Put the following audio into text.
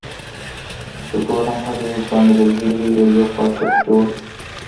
چې ګورم هر يو دوه ميله لرې يو يو پاټک جوړ دى.